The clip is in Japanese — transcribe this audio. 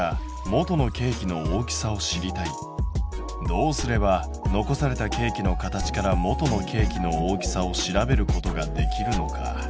どうすれば残されたケーキの形から元のケーキの大きさを調べることができるのか？